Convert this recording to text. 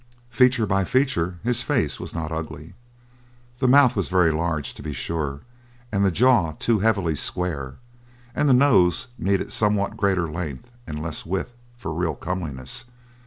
Feature by feature his face was not ugly. The mouth was very large, to be sure, and the jaw too heavily square, and the nose needed somewhat greater length and less width for real comeliness.